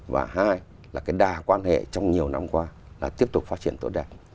và hai là cái đà quan hệ trong nhiều năm qua là tiếp tục phát triển tốt đẹp